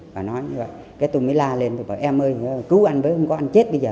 bà nói như vậy tôi mới la lên tôi bảo em ơi cứu anh với không có anh chết bây giờ